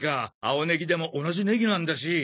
青ネギでも同じネギなんだし。